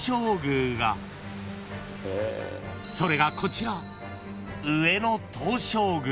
［それがこちら］